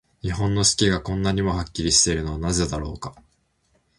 日本の四季が、こんなにもはっきりしているのはなぜだろうか。